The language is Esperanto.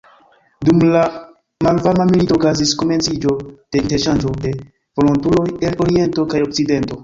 Dum la Malvarma Milito okazis komenciĝo de interŝanĝo de volontuloj el oriento kaj okcidento.